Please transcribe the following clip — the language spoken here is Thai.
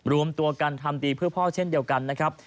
รวมตัวกันทำดีเพื่อพ่อเช่นเดียวกันนะครับ